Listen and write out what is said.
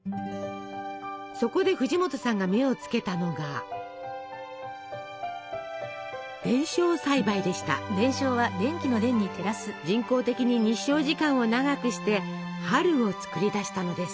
そこで藤本さんが目をつけたのが人工的に日照時間を長くして「春」を作り出したのです。